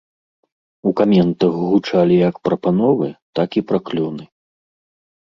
У каментах гучалі як прапановы, так і праклёны.